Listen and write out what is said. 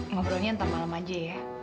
ngobrolnya ntar malam aja ya